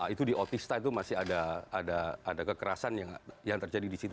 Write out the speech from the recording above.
itu di otista itu masih ada kekerasan yang terjadi di situ